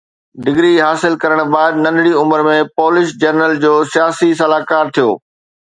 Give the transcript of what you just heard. degree حاصل ڪرڻ بعد ننڍي عمر ۾ پولش جنرل جو سياسي صلاحڪار ٿيو